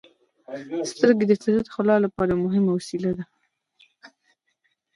• سترګې د فطرت ښکلا لپاره یوه مهمه وسیله ده.